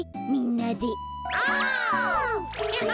みんなで。